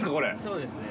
そうですね。